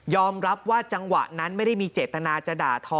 รับว่าจังหวะนั้นไม่ได้มีเจตนาจะด่าทอ